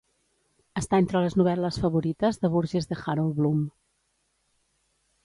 Està entre les novel·les favorites de Burgess de Harold Bloom.